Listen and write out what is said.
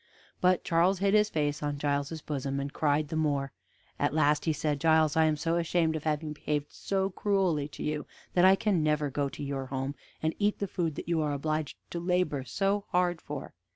But Charles hid his face on Giles's bosom, and cried the more; at last he said: "Giles, I am so ashamed of having behaved so cruelly to you, that I can never go to your home, and eat the food that you are obliged to labor so hard for."